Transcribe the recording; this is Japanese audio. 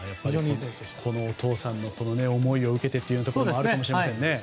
お父さんの思いを受けてというところもあるかもしれません。